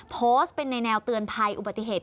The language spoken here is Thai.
โพสต์เป็นในแนวเตือนภัยอุบัติเหตุ